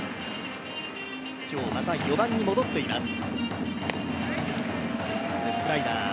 今日、また４番に戻っています。